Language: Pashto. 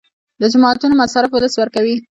د جوماتونو مصارف ولس ورکوي